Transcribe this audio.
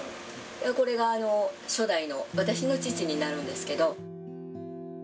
これが初代の、私の父になるんですけど。